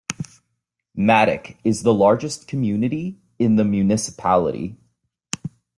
Madoc is the largest community in the municipality.